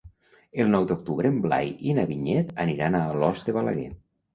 El nou d'octubre en Blai i na Vinyet aniran a Alòs de Balaguer.